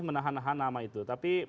menahan nahan nama itu tapi